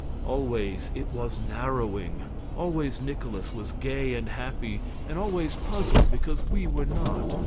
Always it was narrowing. Always Nikolaus was gay and happy, and always puzzled because we were not.